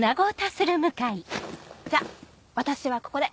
じゃあ私はここで。